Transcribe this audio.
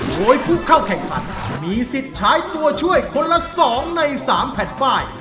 โดยผู้เข้าแข่งขันมีสิทธิ์ใช้ตัวช่วยคนละ๒ใน๓แผ่นป้าย